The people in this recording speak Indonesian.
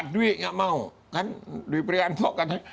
dwi nggak mau kan dwi prianto katanya